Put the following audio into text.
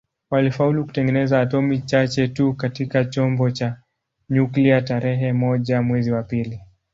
Walifaulu kutengeneza atomi chache tu katika chombo cha nyuklia tarehe moja mwezi wa pili